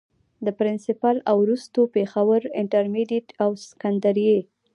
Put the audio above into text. د پرنسپل او وروستو پيښورانټرميډيټ او سکنډري